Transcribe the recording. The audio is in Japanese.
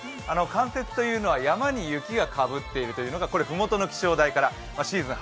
冠雪というのは、山に雪がかぶっているというのがふもとの気象台からシーズン